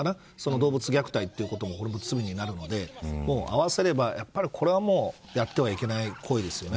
動物虐待ということも罪になるので合わせれば、これはもうやってはいけない行為ですよね。